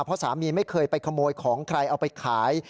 เพราะสามีไม่เคยไปขโมยของใครเอาไปขาย